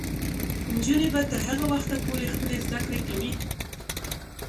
نجونې به تر هغه وخته پورې خپلې زده کړې کوي.